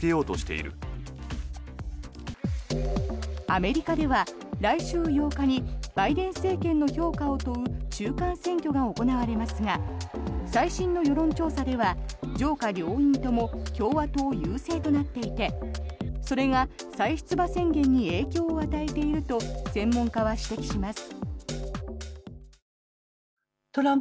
アメリカでは来週８日にバイデン政権の評価を問う中間選挙が行われますが最新の世論調査では上下両院とも共和党優勢となっていてそれが再出馬宣言に影響を与えていると専門家は指摘します。